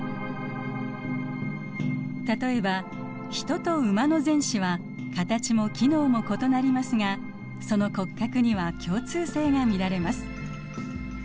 例えばヒトとウマの前肢は形も機能も異なりますがその骨格には共通性が見られます。